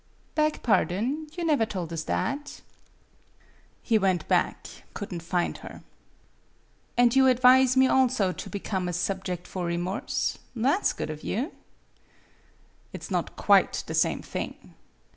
" Beg pardon. You never told us that." " He went back; could n't find her." MADAME BUTTERFLY 3 " And you advise me also to become a subject for remorse ? That 's good of you." " It is not quite the same thing.